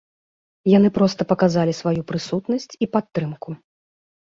Яны проста паказалі сваю прысутнасць і падтрымку.